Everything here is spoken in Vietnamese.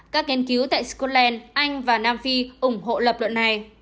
các nghiên cứu tại scotland anh và nam phi ủng hộ lập luận này